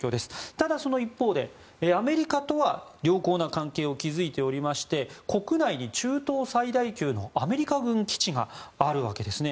ただ、その一方でアメリカとは良好な関係を築いておりまして国内に中東最大級のアメリカ軍基地があるわけですね。